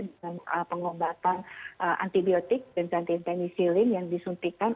dengan pengobatan antibiotik dan anti antigenisilin yang disuntikan